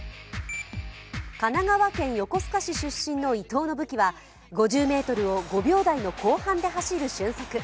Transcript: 神奈川県横須賀市出身の伊東の武器は、５０ｍを５秒台の後半で走る俊足。